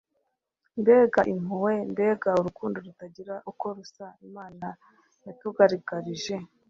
mbega impuhwe, mbega urukundo rutagira uko rusa imana yatugaragarije,